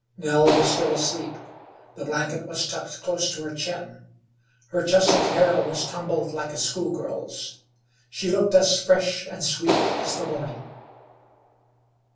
Nell was still asleep. The blanket was tucked close to her chin. Her chestnut hair was tumbled like a schoolgirl's; she looked as fresh and sweet as the morning.